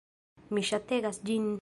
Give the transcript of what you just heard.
Mi ŝategas ĝin!